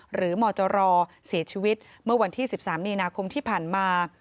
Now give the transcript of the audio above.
มจรเสียชีวิตเมื่อวันที่๑๓มีนาคมที่ผ่านมา